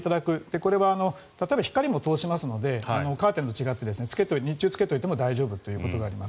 これは例えば、光も通しますのでカーテンと違って日中つけておいても大丈夫ということがあります。